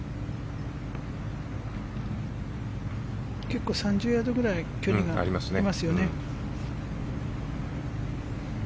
結構３０ヤードぐらい距離がありますよね。